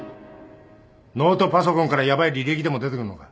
ノートパソコンからヤバい履歴でも出てくるのか。